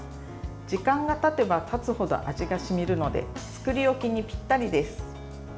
時間がたてばたつほど味が染みるので作り置きにぴったりです。